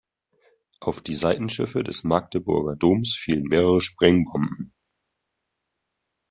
Auf die Seitenschiffe des Magdeburger Doms fielen mehrere Sprengbomben.